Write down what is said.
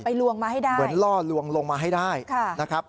ลวงมาให้ได้เหมือนล่อลวงลงมาให้ได้นะครับ